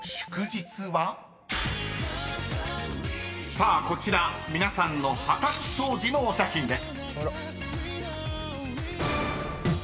［さあこちら皆さんの二十歳当時のお写真です］